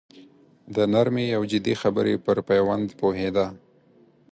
د نرمې او جدي خبرې پر پېوند پوهېده.